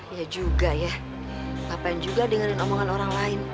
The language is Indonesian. iya juga ya apaan juga dengerin omongan orang lain